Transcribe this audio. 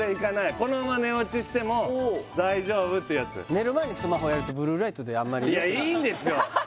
このまま寝落ちしても大丈夫ってやつ寝る前にスマホやるといやいいんですよ